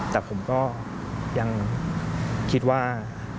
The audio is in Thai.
แต่ผมก็ยังคิดว่า